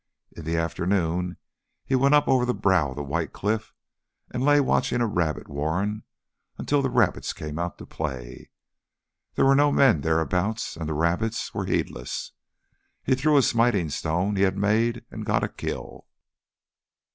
In the afternoon he went up over the brow of the white cliff, and lay watching by a rabbit warren until the rabbits came out to play. There were no men thereabouts, and the rabbits were heedless. He threw a smiting stone he had made and got a kill.